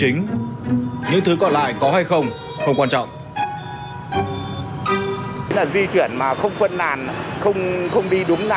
rất là khó chịu